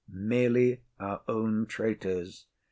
Merely our own traitors.